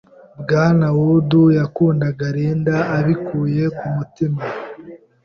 Bwana Wood yakundaga Linda abikuye ku mutima.